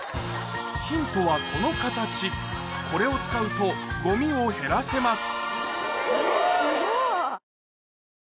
ヒントはこの形これを使うとゴミを減らせます